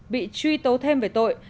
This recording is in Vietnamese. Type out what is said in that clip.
bị truy tố thêm về tội